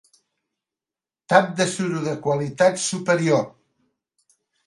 Tap de suro de qualitat superior.